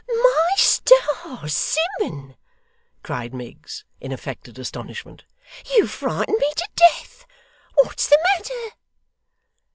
'My stars, Simmun!' cried Miggs, in affected astonishment. 'You frighten me to death! What's the matter?